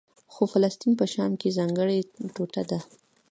خو فلسطین په شام کې ځانګړې ټوټه ده.